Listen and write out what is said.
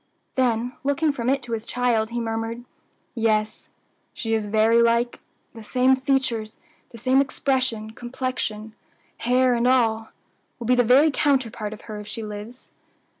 Then, looking from it to his child, he murmured, "Yes, she is very like the same features, the same expression, complexion, hair and all will be the very counterpart of her if she lives."